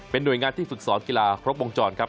หน่วยงานที่ฝึกสอนกีฬาครบวงจรครับ